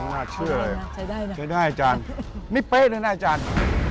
น่าเชื่อเลยน่าใช้ได้นะใช้ได้อาจารย์นี่เป๊ะเลยนะอาจารย์